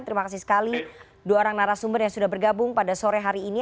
terima kasih sekali dua orang narasumber yang sudah bergabung pada sore hari ini